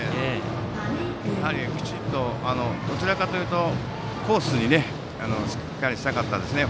やはり、どちらかというとコースにしっかりしたかったです。